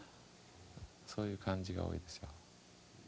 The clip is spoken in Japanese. そういう感じが多いですよ。